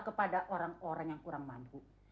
kepada orang orang yang kurang mampu